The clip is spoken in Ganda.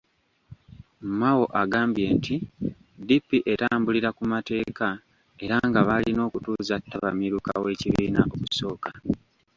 Mao agambye nti DP etambulira ku mateeka era nga baalina okutuuza ttabamiruka w'ekibiina okusooka.